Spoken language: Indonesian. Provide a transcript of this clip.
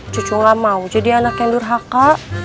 cucu gak mau jadi anak yang durhaka